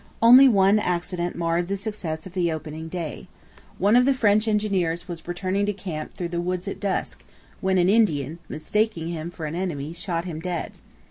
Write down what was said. Only one accident marred the success of the opening day. One of the French engineers was returning to camp through the woods at dusk, when an Indian, mistaking him for an enemy, shot him dead.